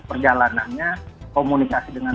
perjalanannya komunikasi dengan